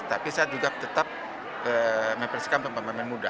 tapi saya juga tetap mempersiapkan pemain muda